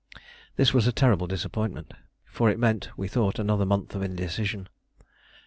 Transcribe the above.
This was a terrible disappointment, for it meant, we thought, another month of indecision.